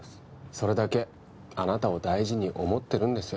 それだけあなたを大事に思ってるんですよ